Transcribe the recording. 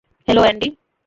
Hello, Andy.